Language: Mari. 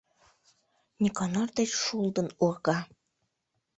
— Никонор деч шулдын урга.